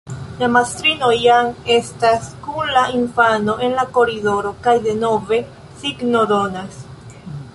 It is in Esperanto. La mastrino jam estas kun la infano en la koridoro kaj denove signodonas.